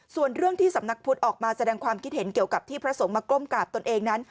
ส่วนเรื่องที่สำนักพุทธออกมาแสดงความคิดเห็นเกี่ยวกับที่พระสงฆ์มาก้มกราบตนเองนั้น